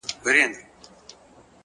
د زړه صفا د انسان ښکلا ده